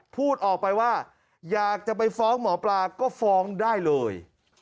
พูดออกไปว่าอยากจะไปฟ้องหมอปลาก็ฟ้องได้เลย